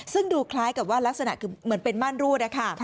ซึ่งดูคล้ายกับว่ารักษณะคือเหมือนเป็นม่านรูดนะคะ